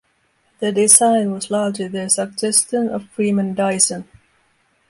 The design was largely the suggestion of Freeman Dyson.